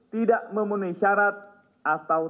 tidak memenuhi syarat atau